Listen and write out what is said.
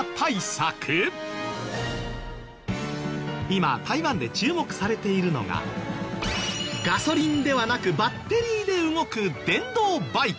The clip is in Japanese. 今台湾で注目されているのがガソリンではなくバッテリーで動く電動バイク。